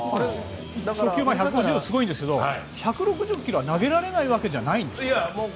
初球１５０ｋｍはすごいんですが、１６０ｋｍは投げられないわけじゃないんですか？